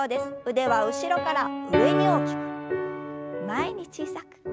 腕は後ろから上に大きく前に小さく。